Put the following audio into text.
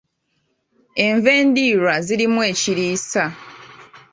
Envendiirwa zirimu ekiriisa.